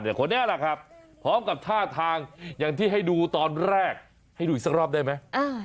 คนนี้แหละครับพร้อมกับท่าทางอย่างที่ให้ดูตอนแรกให้ดูอีกสักรอบได้ไหม